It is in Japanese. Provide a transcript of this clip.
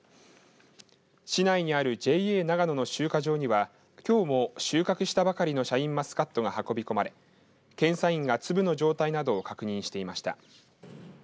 市内にあるＪＡながのの集荷場にはきょうも収穫したばかりのシャインマスカットが運び込まれ検査員が粒の状態などを確認していました。